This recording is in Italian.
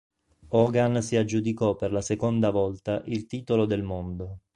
Hogan si aggiudicò per la seconda volta il titolo del mondo.